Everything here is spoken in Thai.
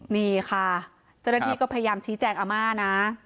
นี่ค่ะเจ้าหน้าที่ก็พยายามชี้แจงอาม่านะ